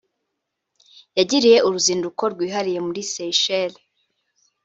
yagiriye uruzinduko rwihariye muri Seychelles